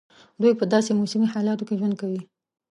دوی په داسي موسمي حالاتو کې ژوند کوي.